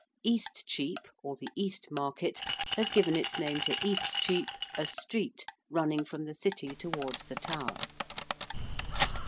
~East Chepe~, or the East Market, has given its name to Eastcheap, a street running from the City towards the Tower.